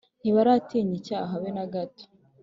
ntibaratinya icyaha habe nagato